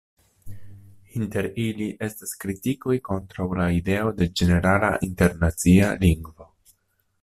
Inter ili, estas kritikoj kontraŭ la ideo de ĝenerala internacia lingvo.